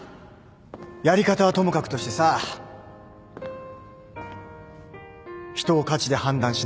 やり方はともかくとしてさ人を価値で判断しない叔父さんのその考え方